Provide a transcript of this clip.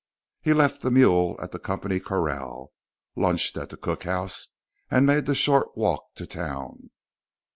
He left the mule at the company corral, lunched at the cookhouse, and made the short walk to town.